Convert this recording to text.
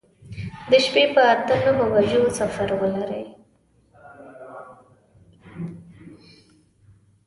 د شپې په اته نهو بجو سفر ولرئ.